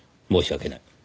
申し訳ない。